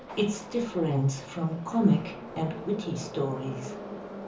Its Difference from Comic and Witty Stories.